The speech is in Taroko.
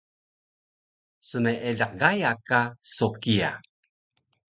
smeeliq Gaya ka so kiya